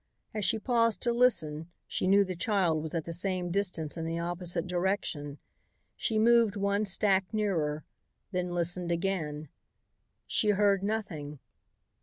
As she paused to listen she knew the child was at the same distance in the opposite direction. She moved one stack nearer, then listened again. She heard nothing.